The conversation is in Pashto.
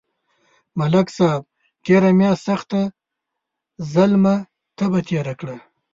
ملک صاحب تېره میاشت سخته ظلمه تبه تېره کړه.